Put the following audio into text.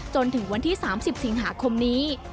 จนถึงวันที่๓๐สิงหาคมนี้